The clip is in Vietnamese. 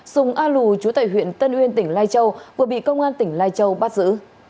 sùng a lù chú tại huyện tân uyên tỉnh lai châu vừa bị công an tỉnh lai châu bắt giữ